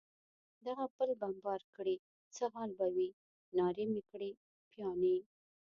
دغه پل بمبار کړي، څه حال به وي؟ نارې مې کړې: پیاني.